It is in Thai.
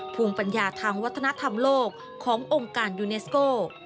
ภูมิปัญญาทางวัฒนธรรมโลกขององค์การยูเนสโก